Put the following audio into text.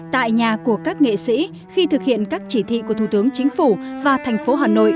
tại nhà của các nghệ sĩ khi thực hiện các chỉ thị của thủ tướng chính phủ và thành phố hà nội